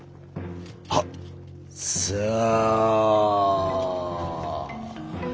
はっ。さあ。